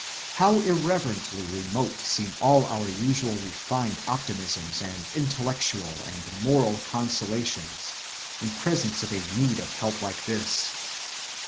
How irrelevantly remote seem all our usual refined optimisms and intellectual and moral consolations in presence of a need of help like this!